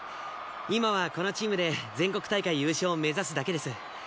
今はこのチームで全国大会優勝を目指すだけです。